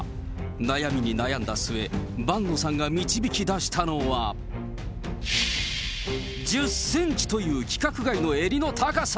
悩みに悩んだ末、伴野さんが導き出したのは、１０センチという規格外の襟の高さ。